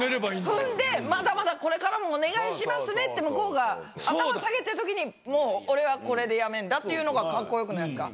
踏んで「まだまだこれからもお願いしますね」って向こうが頭を下げてるときに「もう」。っていうのが格好良くないですか？